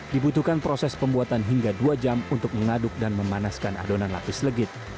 dibutuhkan proses pembuatan hingga dua jam untuk mengaduk dan memanaskan adonan lapis legit